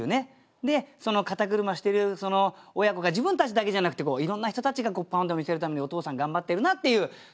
でその肩車してる親子が自分たちだけじゃなくていろんな人たちがパンダを見せるためにお父さん頑張ってるなっていう姿。